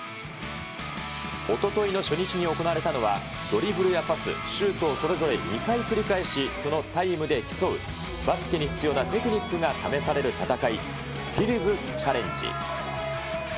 おとといの初日に行われたのは、ドリブルやパス、シュートをそれぞれ２回繰り返しそのタイムで競うバスケに必要なテクニックが試される戦い、スキルズチャレンジ。